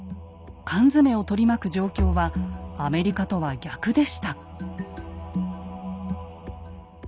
缶詰を取り巻く状況はアメリカとは逆でした。